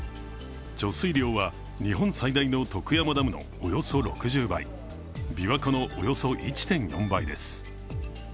貯水量は日本最大の徳山ダムのおよそ６０倍、琵琶湖のおよそ１．４倍です。